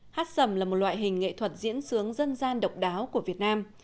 hát sầm là một loại hình nghệ thuật diễn sướng dân gian độc đáo của việt nam